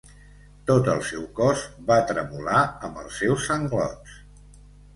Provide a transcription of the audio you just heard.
Tot el seu cos va tremolar amb els seus sanglots.